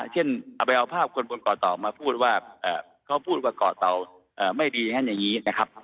เช่นเอาไปเอาภาพคนบนเกาะเตามาพูดว่าเขาพูดว่าเกาะเตาไม่ดีอย่างนั้นอย่างนี้นะครับ